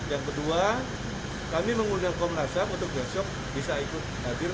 yang kedua kami mengundang komnas ham untuk besok bisa ikut hadir